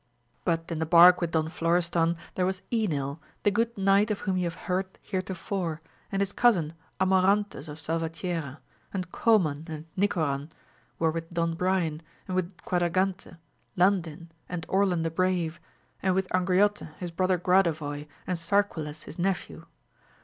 But in the bark with Don Florestan there was Enil, the good knight of whom you have heard heretofore, and his cousin Amorantes of Salvatierra, and Coman and Mcoran, were with Don Brian, and with Quadragante, Landin, and Orlan the Brave, and with Angriote his brother Gradovoy and Sarquiles his nephew.